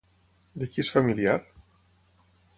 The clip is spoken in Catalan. De qui és familiar?